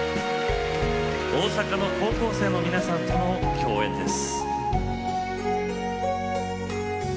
大阪の高校生の皆さんとの共演です。